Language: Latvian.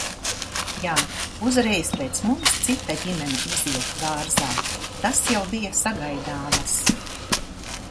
Jā, uzreiz pēc mums cita ģimene iziet dārzā. Tas jau bija sagaidāmas.